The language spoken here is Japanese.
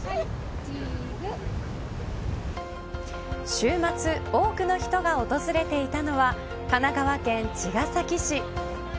週末多くの人が訪れていたのは神奈川県茅ヶ崎市。